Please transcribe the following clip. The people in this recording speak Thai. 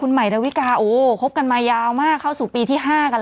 คุณใหม่ระวิกาโอ้คบกันมายาวมากเข้าสู่ปีที่ห้ากัน